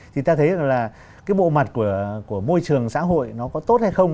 thì ta thấy rằng là cái bộ mặt của môi trường xã hội nó có tốt hay không